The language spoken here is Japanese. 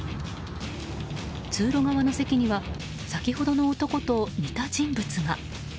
通路側の席には先ほどの男と似た人物が。